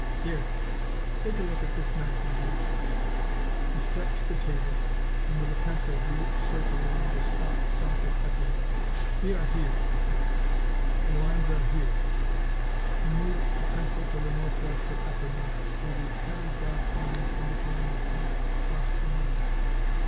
Here, take a look at this map, McGee." He stepped to the table and with a pencil drew a circle around a spot south of Epernay. "We are here," he said. "The lines are here." He moved the pencil to the northwest of Epernay, where the heavy black lines indicating the front crossed the Marne.